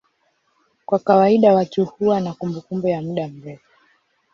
Kwa kawaida watu huwa na kumbukumbu ya muda mrefu.